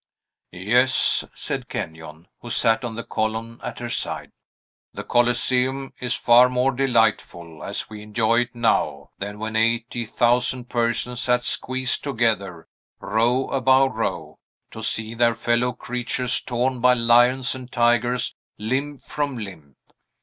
"Yes," said Kenyon, who sat on the column, at her side. "The Coliseum is far more delightful, as we enjoy it now, than when eighty thousand persons sat squeezed together, row above row, to see their fellow creatures torn by lions and tigers limb from limb.